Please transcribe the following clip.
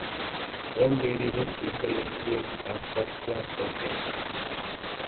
All variables in the language are first class objects.